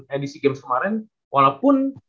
edisi game kemarin walaupun